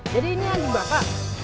jadi ini anjing bapak